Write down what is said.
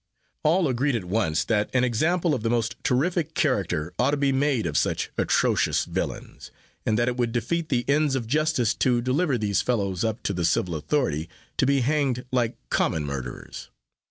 All agreed at once, that an example of the most terrific character ought to be made of such atrocious villains, and that it would defeat the ends of justice to deliver these fellows up to the civil authority, to be hanged like common murderers.